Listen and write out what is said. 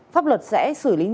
pháp luật sẽ xử lý nghiêm cấp